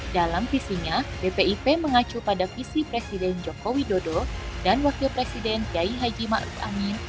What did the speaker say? dalam visinya bpip mengacu pada visi presiden jokowi dodo dan wakil presiden yayi haji ma'ruf amin